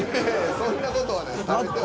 そんな事はない。